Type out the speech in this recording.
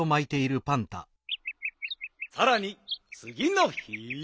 さらにつぎの日。